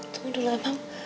tunggu dulu emang